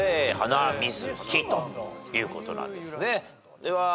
では。